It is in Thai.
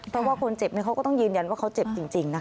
เพราะว่าคนเจ็บเขาก็ต้องยืนยันว่าเขาเจ็บจริงนะคะ